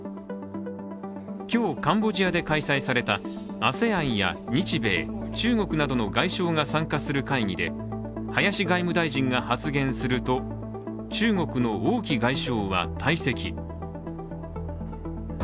今日、カンボジアで開催されたＡＳＥＡＮや日米、中国などの外相が参加する会議で林外務大臣が発言すると中国の王毅外相は退席。